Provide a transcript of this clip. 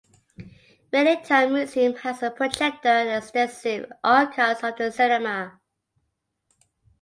Rayleigh Town Museum has a projector and extensive archives of the cinema.